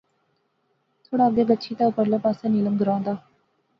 تھوڑا اگے گچھی تہ اپرلے پاسے نیلم گراں دا